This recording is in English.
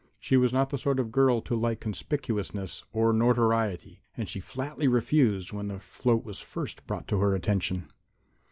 She was not the sort of girl to like conspicuousness or notoriety, and she flatly refused when the float was first brought to her attention.